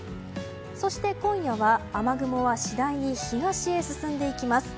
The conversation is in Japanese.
そして、今夜は雨雲は次第に東に進んでいきます。